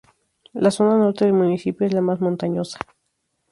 La zona norte del municipio es la más montañosa.